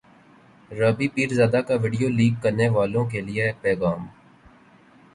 رابی پیرزادہ کا video leak کرنیوالوں کے لیے پیغام